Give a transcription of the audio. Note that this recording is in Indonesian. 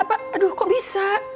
aduh kok bisa